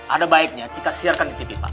ada baiknya kita siarkan di tv pak